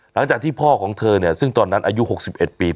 หลังจากที่พ่อของเธอเนี่ยซึ่งตอนนั้นอายุ๖๑ปี